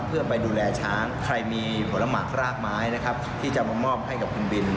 เพื่อไปดูแลช้างใครมีผลหมากรากไม้นะครับที่จะมามอบให้กับคุณบิน